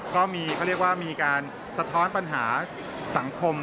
ก็มีเขาเรียกว่ามีการสะท้อนปัญหาสังคม